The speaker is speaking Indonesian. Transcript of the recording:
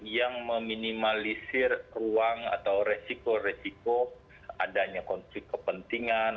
yang meminimalisir ruang atau resiko resiko adanya konflik kepentingan